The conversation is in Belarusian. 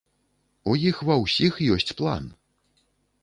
У іх ва ўсіх ёсць план!